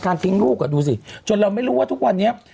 ทิ้งลูกดูสิจนเราไม่รู้ว่าทุกวันนี้